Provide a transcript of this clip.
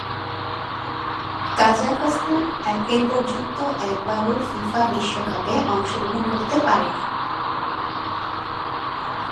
কাজাখস্তান এপর্যন্ত একবারও ফিফা বিশ্বকাপে অংশগ্রহণ করতে পারেনি।